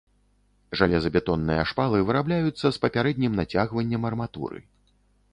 Жалезабетонныя шпалы вырабляюцца з папярэднім нацягваннем арматуры.